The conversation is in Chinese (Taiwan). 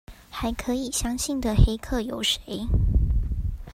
還可以相信的黑客有誰？